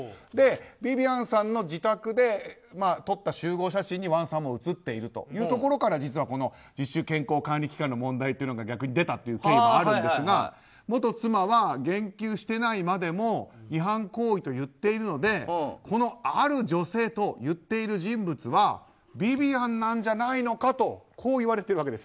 ビビアンさんの自宅で撮った集合写真にワンさんも写っているというところから実は、この自主健康管理期間の問題というのが逆に出たという経緯があるんですが元妻は言及していないまでも違反行為と言っているのでこのある女性と言っている人物はビビアンなんじゃないのかとこういわれているわけです。